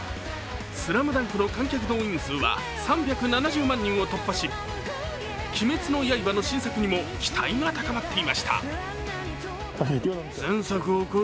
「ＳＬＡＭＤＵＮＫ」の観客動員数は３７０万人を突破し「鬼滅の刃」の新作にも期待が高まっていました。